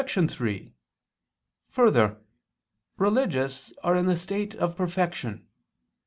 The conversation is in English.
3: Further, religious are in the state of perfection.